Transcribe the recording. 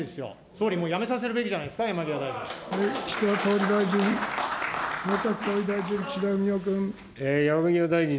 総理、もう辞めさせるべきじゃないですか、山際大臣。